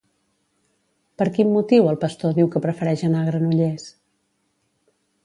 Per quin motiu el pastor diu que prefereix anar a Granollers?